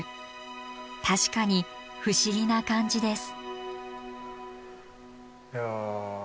確かに不思議な感じです。